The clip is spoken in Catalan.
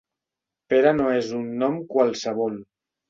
Pere no és un nom qualsevol.